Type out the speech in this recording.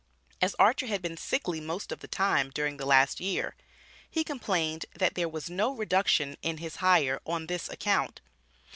As Archer had been "sickly" most of the time, during the last year, he complained that there was "no reduction" in his hire on this account.